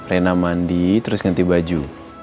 rena mandi terus ganti baju